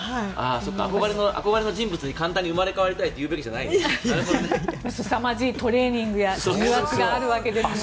憧れの人物に簡単に生まれ変わりたいってすさまじいトレーニングや重圧があるんですもんね。